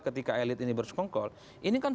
ketika elit ini bersekongkol ini kan